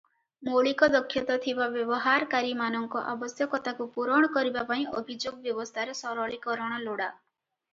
ମୌଳିକ ଦକ୍ଷତା ଥିବା ବ୍ୟବହାରକାରୀମାନଙ୍କ ଆବଶ୍ୟକତାକୁ ପୂରଣ କରିବା ପାଇଁ ଅଭିଯୋଗ ବ୍ୟବସ୍ଥାର ସରଳୀକରଣ ଲୋଡ଼ା ।